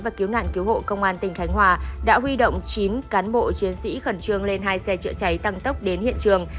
và cứu nạn cứu hộ công an tỉnh khánh hòa đã huy động chín cán bộ chiến sĩ khẩn trương lên hai xe chữa cháy tăng tốc đến hiện trường